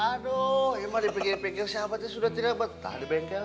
aduh emang dipikir pikir sahabatnya sudah tidak betah di bengkel